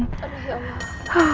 aduh ya allah